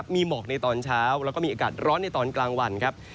มีหมอกในตอนเช้าแล้วก็มีอากาศร้อนในตอนกลางวันครับ